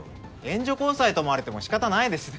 援助交際と思われてもしかたないですよね。